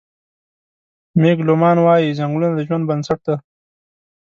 مېګ لومان وايي: "ځنګلونه د ژوند بنسټ دی.